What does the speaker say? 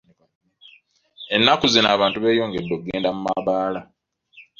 Ennaku zino abantu beyongedde okugennda mu mabbaala .